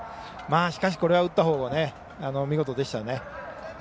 しかし、これは打ったほうが見事でしたよね。